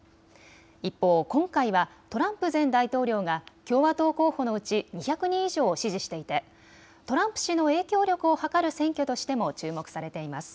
一方、今回はトランプ前大統領が共和党候補のうち２００人以上を支持していてトランプ氏の影響力をはかる選挙としても注目されています。